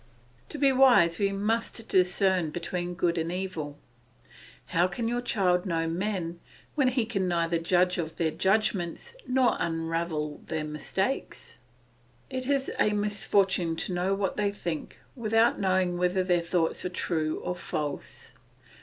To be wise we must discern between good and evil. How can your child know men, when he can neither judge of their judgments nor unravel their mistakes? It is a misfortune to know what they think, without knowing whether their thoughts are true or false.